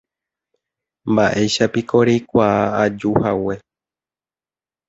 Mba'éichapiko reikuaa ajuhague.